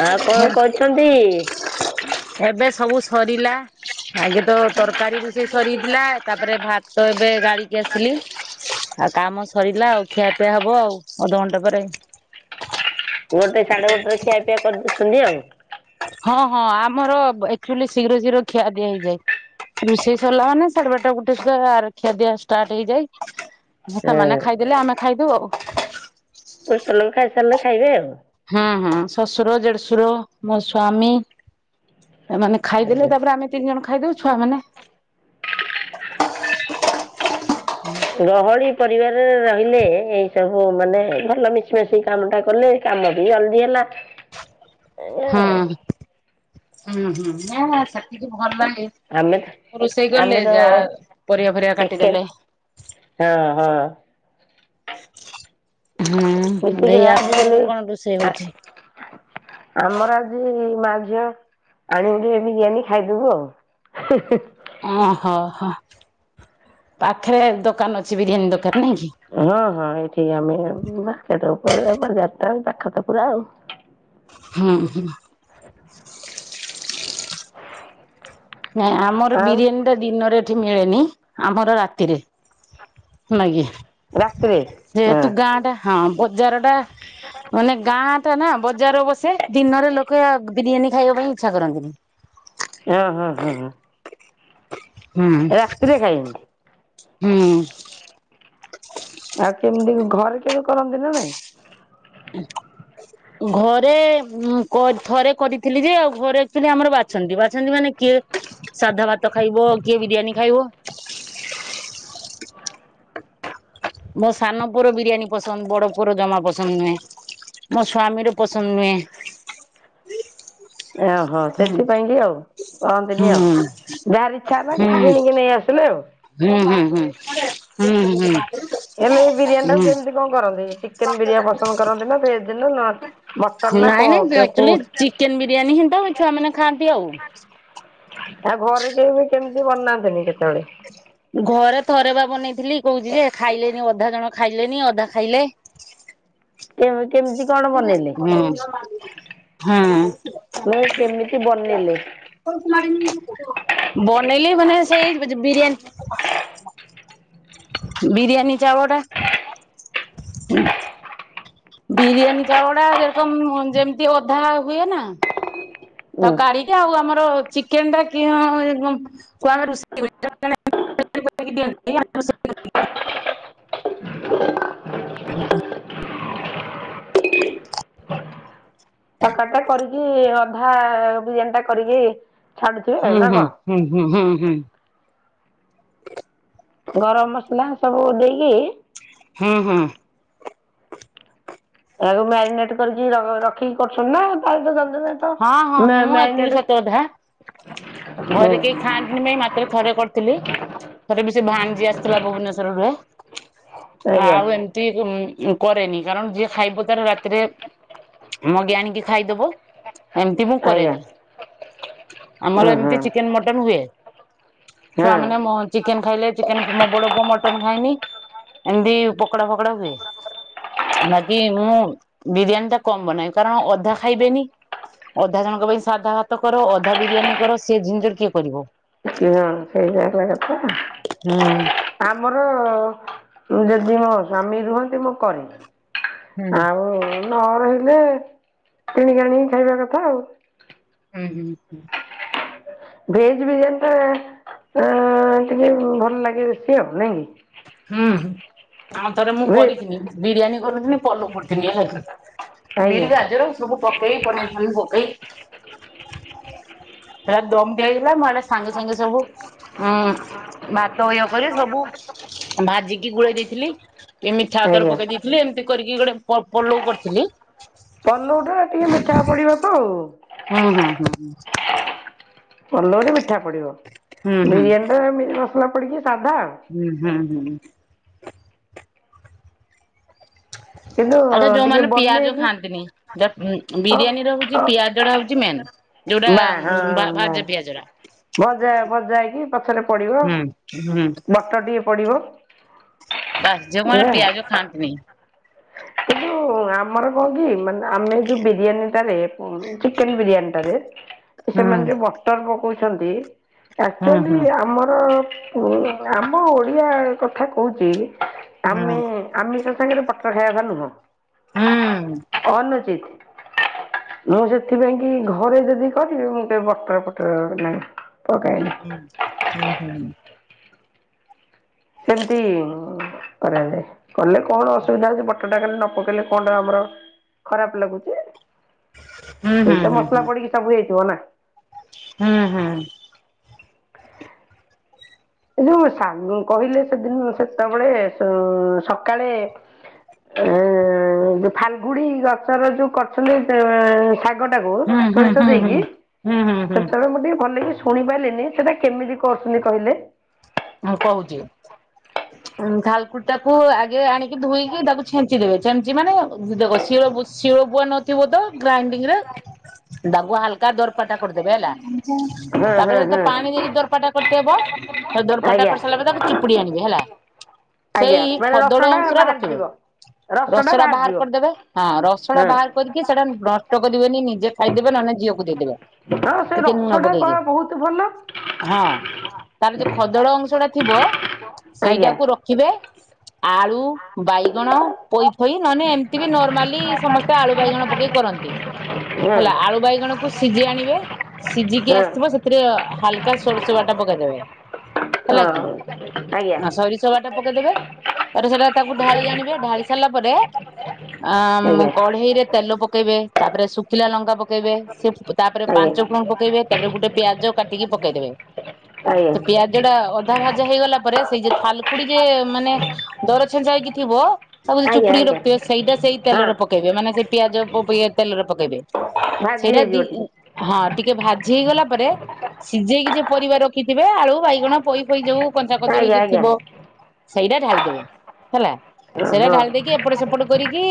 ଆଉ କଣ କରୁଛନ୍ତି? ଏବେ ସବୁ ସରିଲା। ଆଗେ ତ ତରକାରୀ ରୁଷେଇ ସରିଥିଲା, ତାପରେ ଭାତ ଏବେ ଗାଳିକି ଆସିଲି। ଆଉ କାମ ସରିଲା ଆଉ ଖିଆ ପିଆ ହବ ଆଉ ଅଧଘଣ୍ଟା ପରେ। ଗୋଟେ ସାଢେ ଗୋଟେରେ ଖିଆ ପିଆ କରିଦେଉଛନ୍ତି ଆଉ। ହଁ-ହଁ ଆମର ଏକ୍ଚୁଲି ଶୀଘ୍ର-ଶୀଘ୍ର ଖିଆ ଦିଆ ହେଇଯାଏ। ରୁଷେଇ ସରିଲା ମାନେ ସାଢେ ବାରଟା ଗୋଟେ ସୁଧା ଖିଆ ଦିଆ ଷ୍ଟାର୍ଟ ହେଇଯାଏ। ହୁଁ ସେମାନେ ଖାଇଦେଲେ ଆମେ ଖାଇଦଉ ଆଉ। ପୁରୁଷ ଲୋକ ଖାଇସାରିଲେ ଖାଇବେ ଆଉ। ହୁଁ-ହୁଁ ଶଶୁର, ଦେଢଶୁର, ମୋ ସ୍ଵାମୀ ଏମାନେ ଖାଇଦେଲେ ତାପରେ ଆମେ ତିନି ଜଣ ଖାଇଦଉ, ଛୁଆମାନେ ଗହଳି ପରିବାରରେ ରହିଲେ ଏଇ ସବୁ ମାନେ ଭଲ ମିଶିମାସି କାମଟା କଲେ କାମ ବି ଜଲ୍ଦୀ ହେଲା। ଏଇଆ ହଁ ଆଉ। ହୁଁ-ହୁଁ [unintelligible] ସେତିକି ଭଲ୍ ଲାଗେ। ଆମେ ତ ରୋଷେଇ ଆମେ କଲେ ତ ଜା ପରିବା ଫରିବା କାଟିଦେଲେ। ହଁ-ହଁ। ହୁଁ ମିଶିକି ଦେଇ ଆଜିକାଲି ଆପଣଙ୍କର କଣ ରୁସେଇ ଆ ହଉଚି? ଆମର ଆଜି ମା ଝିଅ ଆଣିକି ଟିକେ ବିରିୟାନୀ ଖାଇଦବୁ ଆଉ ହିଁ-ହିଁ। ଓହୋ ହୋ ପାଖେରେ ଦୋକାନ ଅଛି ବିରିୟାନୀ ଦୋକାନ ନାଇଁ କି? ହଁ-ହଁ ଏଇଠି ଆମେ ମାର୍କେଟ ଉପରେ ବଜାରଟା ପାଖ ତ ପୁରା ଆଉ। ହୁଁ-ହୁଁ। ନାଇଁ ଆମର ଆଉ ବିରିୟାନୀ ଟା ଏଠି ମିଳେନି, ଆମର ରାତିରେ [unintelligible] ରାତିରେ ହଁ ଯେହେତୁ ଗାଁ ଟା ହଁ ବଜରଟା। ମାନେ ଗାଁ ଟା ନା ବଜାର ବସେ ଦିନରେ ଲୋକେ ବିରିୟାନୀ ଖାଇବା ପାଇଁ ଇଚ୍ଛା କରନ୍ତିନି। ହଁ ହଁ ହଁ ହଁ। ହୁଁ ରାତିରେ ଖାଇନ୍ତି ହୁଁ। ଆଉ କେମିତି ଘରେ କେବେ କରନ୍ତି ନା ନାଇଁ? ଘରେ ଉ କ ଥରେ କରିଥିଲି ଯେ ଆଉ ଘରେ ଆକଚୁଆଲି ଆମର ବାଛନ୍ତି ବାଛନ୍ତି ମାନେ କିଏ ସାଧା ଭାତ ଖାଇବ କିଏ ବିରିୟାନୀ ଖାଇବ। ମୋ ସାନ ପୁଅର ବିରିୟାନୀ ପସନ୍ଦ ବଡ ପୁଅ ର ଜମା ପସନ୍ଦ ନୁହେଁ। ମୋ ସ୍ଵାମୀ ର ପସନ୍ଦ ନୁହେଁ। ଓହୋ ହୁଁ ସେଥିପାଇଁ କି ଆଉ ହୁଁ କହନ୍ତିନି ଆଉ। ଯାହାର ଇଚ୍ଛା ହେଲା ହୁଁ କିଣିକି ନେଇ ଆସିଲେ ଆଉ। ହୁଁ ହୁଁ ହୁଁ ହୁଁ ହୁଁ। ହେଲେ ଏ ବିରିୟାନୀ ଟାକୁ କେମିତି କଣ କରନ୍ତି? ଚିକେନ ବିରୀୟା ପସନ୍ଦ କରନ୍ତି ନା ଭେଜ ନା ନନ୍ ନାଇଁ ନାଇଁ ଆକଚୁଆଲି ଚିକେନ ବିରିୟାନୀ ହିଁ ତ ଛୁଆ ମାନେ ଖାଆନ୍ତି ଆଉ। ଆଉ ଘରେ କେହି ବି କେମିତି ବନାନ୍ତିନି କେତେବେଳେ? ଘରେ ଥରେ ବା ବନେଇଥିଲି କହୁଛି ଯେ ଖାଇଲେନି ଅଧା ଜଣ ଖାଇଲେନି ଅଧା ଖାଇଲେ। କେ କେମିତି କଣ ବନେଇଲେ? ହୁଁ କେମିତି ହୁଁ। ବନିଲେ? ବନେଇଲି ମାନେ ସେଇ ବିରିୟାନୀ ବିରିୟାନୀ ଚାଉଳ ଟା ବିରିୟାନୀ ଚାଉଳ ଟା ଯେମିତି ଅଧା ହୁଏ ନା ତ ହୁଁ। କାଢିକେ ଆଉ ଆମର ଚିକେନ ଟା କି ହଁ [unintelligible] [unintelligible] [unintelligible] ହୁଁ। ତକାରୀ ଟା କରିକି ଅଧା ବିରିୟାନୀ ଟା କରିକି ଛାଡୁଥିବେ ଆଉ ହୁଁ ନା ହୁଁ କଣ ହୁଁ ହୁଁ ହୁଁ ହୁଁ। ଗରମ ମସଲା ସବୁ ଦେଇକି ହୁଁ ହୁଁ। ଏହାକୁ ମ୍ୟାରିନେଟ କରିକି ର ରଖିକି କରୁଛନ୍ତି ନା [unintelligible] ତମେ ତ ହଁ ହଁ ମ ମୁଁ ଆକ୍ଚୁଆଲି ସତ ମ୍ୟାଗନେଟ୍ [unintelligible] ମାତ୍ରେ ଥରେ କରିଥିଲି ଥରେ ବି ସେ ଭାଣିଜି ଆସିଥିଲା ଭୁବନେଶ୍ୱର ରୁ ଆଜ୍ଞା ଆଉ ଏମ୍ ଟି କରେନି କାରଣ ଯିଏ ଖାଇବ ତାର ରାତିରେ ମଗେଇ ଆଣିକି ଖାଇଦବ। ଏମିତି ମୁଁ ଆଜ୍ଞା କରେନି। ଆମର ହୁଁ ହୁଁ ଏମିତି ଚିକେନ ମଟନ ହୁଏ ହଁ ଛୁଆ ମାନେ ମ ଚିକେନ ଖାଇଲେ ଚିକେନ ମୋ ବଡ ପୁଅ ମଟନ ଖାଇନି ଏମିତି ପକଡା ଫକଡା ହୁଏ। ବାକି ମୁଁ ବିରିୟାନୀ ଟା କମ ବନାଏ କାରଣ ଅଧା ଖାଇବେନି। ଅଧା ଜଣଙ୍କ ପାଇଁ ସାଧା ଭାତ କର ଅଧା ବିରିୟାନୀ କର ସେ ଜିନିଷ କିଏ କରିବ। ହୁଁ। [unintelligible] ଆମର ଯଦି ମୋ ସ୍ଵାମୀ ରୁହନ୍ତି ମୁଁ କରେ। ହୁଁ ଆଉ ନ ରହିଲେ କିଣିକି ଆଣିକି ଖାଇବା କଥା ଆଉ। ହୁଁ ହୁଁ ହୁଁ। ଭେଜ ବିରିୟାନୀ ଟା ଆ ଟିକେ ଭଲ ଲାଗେ ସିଏ ଆଉ ନାଇଁ କି? ହୁଁ ଆଉ ଥରେ ମୁଁ କି ଭେ କରିଥିନି। ବିରିୟାନୀ କରିଥିଲି ପଲଉ କରିଥିଲି ହେଲା ଆଜ୍ଞା ବିଟ୍ ଗାଜର ସବୁ ପକେଇ ପନିର୍ ଫ୍ଚନିର ପକେଇ ହେ ଦମ ଦିଆ ହେଇଗଲା ମାନେ ସାଙ୍ଗେ ସାଙ୍ଗେ ସବୁ ହୁଁ ଭାତ [unintelligible] ବା ପରେ ସବୁ ଭାଜିକି ଗୋଳେଇ ଦେଇଥିଲି ଏ ମିଠା ଅତର ଆଜ୍ଞା ପକେଇ ଦେଇ ହେଲେ ଏମତି କରିକି ଗୋଟେ ପ-ପଲଉ କରିଥିଲି। ପଲଉଟା ଟିକେ ମିଠା ପଡ଼ିବ ତ ଆଉ। ହୁଁ ହୁଁ ହୁଁ ହୁଁ। ପଲଉରେ ମିଠା ପଡ଼ିବ, ହୁଁ ହୁଁ ବିରିୟାନୀର ମିଠା ମସଲା ପଡ଼ିକି ସାଧା ଆଉ। ହୁଁ ହୁଁ ହୁଁ। କିନ୍ତୁ ଆଉ ତ ଟିକେ ଯୋଉମାନେ ପିଆଜ ବନେଇକି ଖାଆନ୍ତିନି, ଯଦ ଓ ବିରିୟାନୀର ହଉଛି ଓ ପିଆଜଟା ହଉଛି ମେନ୍। ଯୋଉଟା ବା ହଁ ବା ଭା-ଭାଜେ ପିଆଜଟା। ଭଜା ଭଜା ହେଇକି ପଛରେ ପଡିବ, ହୁଁ ହୁଁ। ମଟର ଟିକେ ପଡିବ। ବାସ୍ ଯେଉଁମାନେ ପିଆଜ ଖାଆନ୍ତିନି। କି ଯୋଉ ଆମର କହ କି ମାନେ ଆମେ ଯୋଉ ବିରିୟାନୀଟାରେ ପୁ ଚିକେନ ବିରିୟାନୀଟାରେ ହୁଁ ସେମାନେ ଯୋଉ ବଟର ପକଉଛନ୍ତି, ହୁଁ ଆକ୍ଚୁଆଲି ହୁଁ ଆମର ଆମ ଓଡ଼ିଆ କଥା କହୁଛି, ହୁଁ। ଆମେ ଆମିଷ ସାଙ୍ଗରେ ବଟର ଖାଇଆ କଥା ନୁହଁ, ହୁଁ ହୁଁ ଅନୁଚିତ। ମୁଁ ସେଥିପାଇଁ କି ଘରେ ଯଦି କରିବି, ମୁଁ କେବେ ବଟର ଫଟର ନାଇଁ ପକାଏନି। ହୁଁ ହୁଁ ହୁଁ। ସେନ୍ତି ମୁଁ କରେନେଇ। କଲେ କଣ ଅସୁବିଧା ହଉଛି, ବଟରଟା କଲେ ନ ପକେଇଲେ କଣଟା ଆମର ଖରାପ ଲାଗୁଚି? ହୁଁ ସେଇ ତ ହୁଁ ହୁଁ। ମସଲା ପଡିକି ସବୁ ହେଇଥିବ ନା। ହୁଁ ହୁଁ। ଏ ଯୋଉ ଶାଗ କହିଲେ ସେଦିନ ସେତେବେଳେ ଉମ୍ ସକାଳେ ଉମ୍ ଯୋଉ ଫାଲଗୁଡି ଗଛର ଯୋଉ କରୁଛନ୍ତି ସେ ଶାଗ ଶାଗଟାକୁ ହୁଁ ହୁଁ ସୋରିଷ ହୁଁ ହୁଁ ଦେଇକି, ହୁଁ ହୁଁ ହୁଁ ସେତେବେଳେ ମୁଁ ଟିକେ ଭଲକି ଶୁଣି ପାରିଲିନି, ସେଟା କେମିତି କରୁଛନ୍ତି କହିଲେ? ହଁ କହୁଛି। ଥାଲକୁଡିଟାକୁ ଆଗେ ଆଣିକି ଧୋଇକି ତାକୁ ଛେଞ୍ଚି ଦେବେ, ଛେଞ୍ଚି ମାନେ ଦେଖ ଶିଳ ବୁ ଶିଳ ପୁଆ ନ ଥିବ ତ ଗ୍ରାଇଡିଂରେ ତାକୁ ହାଲକା ଦୋର୍ପଟା କରଦେବେ ହେଲା ହଁ ହଁ ତାପରେ ସେତେ ହଁ ପାଣି ଦେଇକି ଦରପାଟା କରିତେ ହେବ ଦରପଟା ଆଜ୍ଞା କରି ସାରିଲା ପରେ ତାକୁ ଚୁପୁଡି ଆଣିବେ ହେଲା, ଆଜ୍ଞା ସେଇ ମାନେ ଖଦଡ ରସଟା ଅଂଶରା ରଖିବେ ବାହାରିଯିବ। ରସଟା ରସରା ବାହାର ବାହାରିଯିବ କରିଦେବେ, ହଁ ରସଟା ହଁ ବାହାର କରିକି ସେଟା ନଷ୍ଟ କରିବେନି ନିଜେ ଖାଇଦେବେ ନହେଲେ ଝିଅକୁ କୁ ଦେଇଦେବେ, ହଁ ସେ ଟିକେ ନୁଣ ରସଟା ପା ପକେଇକି। ବହୁତ ଭଲ। ହଁ ତାହେଲେ ଯୋଉ ଖଦଡ଼ ଅଂଶଟା ଥିବ, ଆଜ୍ଞା ସେଇଟାକୁ ର ଖିବେ, ଆଳୁ, ବାଇଗଣ ପୋଇ ଫୋଇ ନହେନେ ଏମତି ବି ନର୍ମାଲି ସମସ୍ତେ ଆଳୁ, ବାଇଗଣ ପକେଇ କରନ୍ତି ହଁ ହେଲା, ଆଳୁ ବାଇଗଣକୁ ସିଜେଇ ଆଣିବେ, ହଁ ସିଝିକି ହଁ ଆସିଥିବ ସେ ଥିରେ ହାଲକା ସୋରିଷ ବାଟା ପକେଇଦବେ ହେଲା କି, ଆଜ୍ଞା ସୋରିଷ ବାଟା ପକେଇଦେବେ, ତାପରେ ସେଟା ତାକୁ ଢାଳି ଆଣିବେ, ଢାଳି ସାରିଲା ପରେ ଆମ୍ ଆଜ୍ଞା କଢେଇରେ ତେଲ ପକେଇବେ ତାପରେ ଶୁଖିଲା ଲଙ୍କା ପକେଇବେ, ସେ ତାପରେ ପାଞ୍ଚ ଆଜ୍ଞା ଫୁଟଣ ପକେଇବେ, ତାପରେ ଗୋଟେ ପିଆଜ କାଟିକି ପକେଇଦେବେ। ଆଜ୍ଞା। ସେ ପିଆଜ ଜଟା ଅଧା ଭାଜା ହେଇଗଲା ପରେ ସେଇ ଯେ ଥାଲକୁଡି ଯେ ମାନେ ଦର ଛେଞ୍ଚା ହେଇକି ଥିବ ତାକୁ ଯଦି ଆଜ୍ଞା ଚୁପୁଡିକି ଆଜ୍ଞା ରଖଥିବେ, ସେଇଟା ସେଇ ହଁ ତେଲରେ ପକେଇବେ ମାନେ ସେଇ ପିଆଜ ପ ଇଏ ତେଲରେ ପକେଇବେ। ଭାଜି ସେଇଟା ଦି ହେଇଯିବ ଟିକେ ଆଁ ହଁ ଟିକେ ଭାଜି ହେଇଗଲା ପରେ, ସିଝେଇକି ଯିଏ ପରିବା ରଖି ଖିବେ ଆଳୁ, ବାଇଗଣ, ପୋଇ ଫୋଇ ଯୋଉ କଞ୍ଚା କଦଳୀ ଆଜ୍ଞା ଯଦି ଥିବ ଆଜ୍ଞା ସେଇଟା ଢାଳିଦେବେ, ହେଲା ସେଇଟା ହଁ ଢାଳି ଦେଇକି ଏପଟେ ସେ ଏପଟୁ କରିକି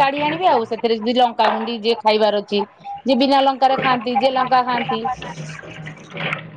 କାଢି ଆଣିବେ ଆଉ। ସେଥିରେ ଯଦି ଲଙ୍କାଗୁଣ୍ଡି ଯିଏ ଖାଇବାର ଅଛି ଯେ ବିନା ଲଙ୍କାରେ ଖାଆନ୍ତି, ଯିଏ ଲଙ୍କା ଖାଆନ୍ତି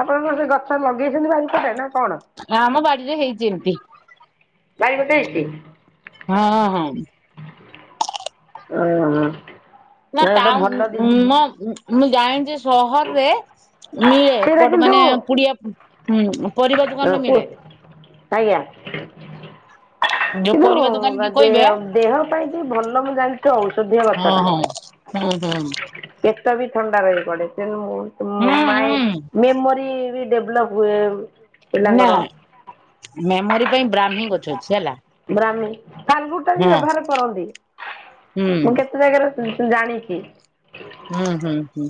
ଆପଣଙ୍କର ସେ ଗଛ ଲଗେଇଛନ୍ତି ବାରିପଟେ ନା କଣ? ଆମ ବାଡି଼ରେ ହେଇଛି ଏମିତି। ବାରି ପଟେ ହେଇଛି। ହଁ ହଁ। ଅଁଅ ନା ଟାଉନ୍ ନା ମୁଁ ଜାଣିଛି ସହର୍ ରେ ମିଳେ ସେଇଟା ପଡ଼ କିନ୍ତୁ ମାନେ ପୁଡିଆ ହୁଁ ପରିବା ର ଦୋକାନରେ କୁ ମିଳେ ଆଜ୍ଞା ଯୋଉ କିନ୍ତୁ ପରିବା ଦୋକାନ କି କହିବେ ଦେହ ଦେହ ପାଇଁ କି ଭଲ ମୁଁ ଜାଣିଛି ଔଷଧୀୟ ହଁ ଗଛ ଟା। ହଁ ହୁଁ ହୁଁ। ପେଚ ବି ଥଣ୍ଡା ରହି ପଡେ଼ କିନ୍ତୁ ହୁଁ ମୁ ମାଇଁ ହୁଁ ମେମୋରି ବି ଡଭ୍ଲପ ହୁଏ। ନା ପିଲାଙ୍କର ମେମୋରି ପାଇଁ ବ୍ରାହ୍ମି ହିଁ ଗଛ ଅଛି ହେଲା। ବ୍ରାମୀ କଲଗୁ ଟା ବି ହଁ ବ୍ୟବହାର କରନ୍ତି ହୁଁ ମୁଁ କେତେ ଜାଗାରେ। ଜାଣିକି ହୁଁ ହୁଁ ହୁଁ।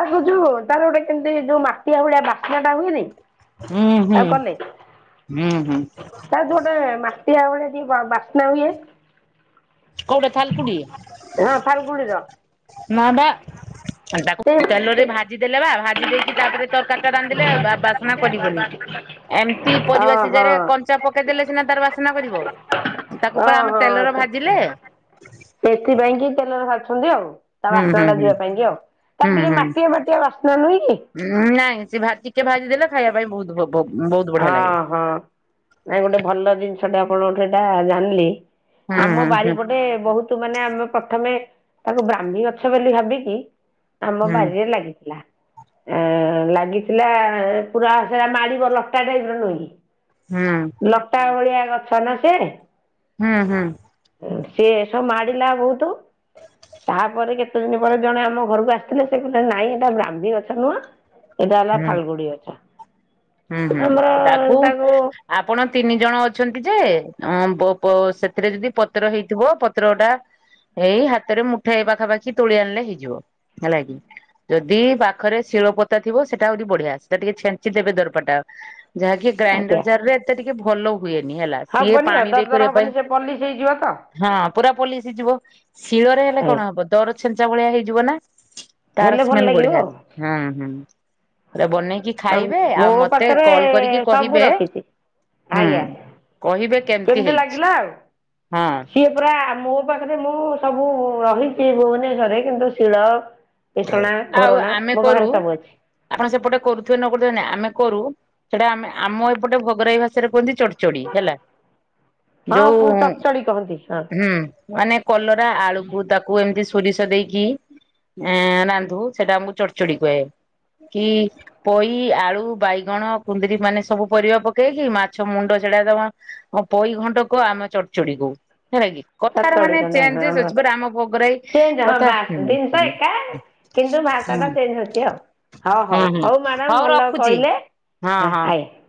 ତାକୁ ଯୋଉ ତାର ଗୋଟେ କେମିତି ଯୋଉ ମାଟିଆ ଭଳିଆ ବାସ୍ନା ଟା ହୁଏନି। ହୁଁ ହୁଁ ଆଉ କଲେ ହୁଁ ହୁଁ ତା ଗୋଟେ ମାଟିଆ ବଳେଆ ଟିକେଏ ବାସ୍ନା ହୁଏନି କୋଉଠେ ଥାଲ୍କୁଡି଼। ହଁ ଫାଲଗୁଣୀର। ନା ବା ସାଟାପ୍ ସେ ତେଲରେ ଭାଜି ଦେଲେ ବା ଭାଜି ଦେଇକି ତାପରେ ତରକାରୀ ଟା ରାନ୍ଧିଲେ ବା-ବାସ୍ନା କରିବନି। ଏମତି ପରିବା ଓହୋ ସିଝାରେ କଞ୍ଚା ପକେଇଦେଲେ ସିନା ତାର ବାସ୍ନା କରିବ। ତାକୁ ପରା ଆମେ ଓହୋ ତେଲରେ ଭାଜିଲେ। ସେଥିପାଇଁ କି ତେଲରେ ଭାଜୁଛନ୍ତି ଆଉ। ତା ହୁଁ ବାସ୍ନା ହୁଁ ଟା ହୁଁ ଯିବା ପାଇଁ କି ଆଉ ତାର ହୁଁ ଟିକେ ହୁଁ। ମାଟିଆ ମାଟିଆ ବାସ୍ନା ନୁହଁ କି। ଉଁ ନାଇଁ ସେ ଭାଜି ଟିକେ ଭାଜି ଦେଲେ ଖାଇବା ପାଇଁ ବହୁତ୍ ଭଲ। ବୋ ବଉତ୍ ହଁ ହଁ ନାଇଁ ଗୋଟେ ଭଲ ଜିନିଷଟା ଆପଣଙ୍କଠୁ ଏଇଟା ଜାଣିଲି। ହୁଁ ଆମ ହୁଁ ବାରିପଟେ ବହୁତ୍ ମାନେ ଆମେ ପ୍ରଥମେ ତାକୁ ବ୍ରାହ୍ମୀ ଗଛ ବୋଲି ଭାବିକି। ଆମ ହୁଁ ବାରିରେ ଲାଗିଥିଲା ଆ ଲାଗିଥିଲା ପୁରା ସେଟା ମାଡି଼ବଲ। ତା ଟାଇପ୍ ର ନୁହଁକି? ହୁଁ। ଲତା ଭଳିଆ ଗଛ ନା ସିଆଡ଼େ। ହୁଁ ହୁଁ। ସେ ଏସବୁ ମାଡିଲା ବହୁତ ତାପରେ କେତେ ଦିନ ପରେ ଜଣେ ଆମ ଘରକୁ ଆସିଥିଲେ ସେ କଥିଲେ ନାଇଁ ଏଟା ବ୍ରାହ୍ମୀଗଛ ନୁହଁ। ଏଇଟା ହେଲା ହୁଁ ହୁଁ ଫାଲ୍ଗୁଡି଼ ହୁଁ ହୁଁ ଗଛ ଆମର ତାକୁ ଆପଣ ତିନି ଜଣ ଅଛନ୍ତି ଯେ ଉଁ ବ ବ ସେଥିରେ ଯଦି ପତ୍ର ହେଇଥିବ ପତ୍ର ଟା ଏଇ ହାତରେ ମୁଠାଏ ପାଖାପାଖି ତୋଳି ଆଣିଲେ ହେଇଯିବ। ହେଲା କିି? ଯଦି ପାଖରେ ଶିୀଳପୋତା ଥିବ ସେଟା ଆହୁରି ବଢି଼ଆ ସେଟା ଟିକେ ଛେଞ୍ଚି ଦେବେ ଦର ପଟାଅ ଯାହାକି ଆଜ୍ଞା। ଗ୍ରାଇଣ୍ଡର ଜାର ରେ ଏତେ ଟିକେ ଭଲ ଉ ହୁଏନି ହେଲା ସିଏ ପାଣି ରେ କରିବା ପାଇଁ ଯିବ ତ ହଁ ପୁରା ପୋଲିସି ଯିବ ଶିଳରେ ହେଲେ କଣ ହବ। ଦର ଛେଚା ଭଳିଆ ହେଇଯିବ ନା ତାର ହେଲେ ଭଲ ସ୍ମେଲ୍ ଲାଗିବ ବଢି଼ଆ ଆଉ। ହୁଁ ହୁଁ ବନେଇକି ଖାଇବେ ଆଉ ମୋ ମ ତେ ପାଖରେ କଲ୍ କରିକି ସବୁ କହିବେ, ରଖିଛି ହୁଁ ଆଜ୍ଞା କହିବେ କେମିତି ହେଇଛି? ଲାଗିଲା ଆଉ। ହଁ। ପୁରା ମୋ ପାଖରେ ମୁଁ ସବୁ ରହିଛି ଭୁବନେଶ୍ଵରରେ କିନ୍ତୁ ଶିଳ। ପିସଣା ଆଉ ଘୋରଣା ଆମେ ମୋ କରୁ ପାଖରେ ସବୁ ଅଛି ଆପଣ ସେପଟେ କରୁଥିବେ ନ କରୁଥିବେ ନାଇ ଆମେ କରୁ ସେଇଟା ଆମେ ଆମ ଏପଟେ ଭଗରାଇ ଭାଷାରେ କୁହନ୍ତି ଚଢି। ଚଢି ହେଲା ହଁ ଯଉ ପୁ ଚଚଡି କହନ୍ତି ହଁ। ହୁଁ ମାନେ କଲରା ଆଳୁକୁ ତାକୁ ଏମିତି ସୋରିଷ ଦେଇକି ଏଁ ରାନ୍ଧୁ ସେଟା ମୁଁ ଚଢଚଡି କୁହେ କି ପୋଇ ଆଳୁ ବାଇଗଣ କୁନ୍ଦରି ମାନେ ସବୁ ପରିବା ପକେଇକି ମାଛ ମୁଣ୍ଡ ସେଟା ତମ ହଁ ପଇ ଘଣ୍ଟ କ ଆମ ଚଢଚଢି କହୁ ହେଲା କି। କଥାର ଚଚଡି ମାନେ କହନ୍ତି ହଁ ଚେଞ୍ଜସ ଆମର ଅଛି ଆମ ଭଗରାଇ କଥା ତ ହୁଁ ଏକା କିନ୍ତୁ ଭାଷା ହୁଁ ଟା ଚେଞ୍ଜ ହଉଛି ଆଉ। ହଉ ହୁଁ ହଉ ହୁଁ ହଉ ମ୍ୟାଡ଼ାାମ ଭଲ ରଖୁଛି କହିଲେ ହଁ ହଁ। ଆଜ୍ଞା